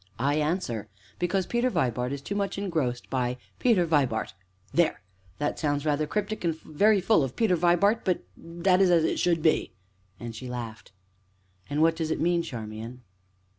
I answer: Because Peter Vibart is too much engrossed by Peter Vibart. There! that sounds rather cryptic and very full of Peter Vibart; but that is as it should be," and she laughed. "And what does it mean, Charmian?"